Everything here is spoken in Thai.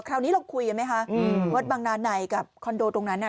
คราวนี้เราคุยกันไหมค่ะอืมวัดบังนานไหนกับคอนโดตรงนั้นอ่ะ